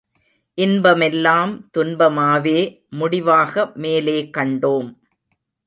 இன்பமெல்லாம் துன்பமாவே முடிவாக மேலே கண்டோம்.